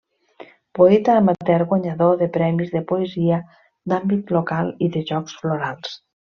Poeta amateur guanyador de premis de poesia d’àmbit local i de jocs florals.